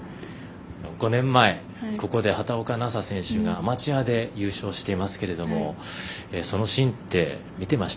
５年前、ここで畑岡奈紗選手がアマチュアで優勝していますけれどもそのシーンって、見てました？